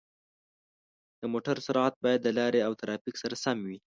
د موټر سرعت باید د لارې او ترافیک سره سم وي.